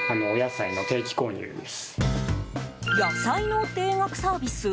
野菜の定額サービス？